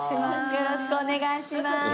よろしくお願いします。